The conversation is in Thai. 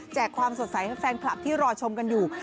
ความสดใสให้แฟนคลับที่รอชมกันอยู่